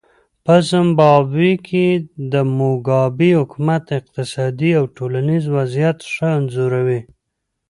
په زیمبابوې کې د موګابي حکومت اقتصادي او ټولنیز وضعیت ښه انځوروي.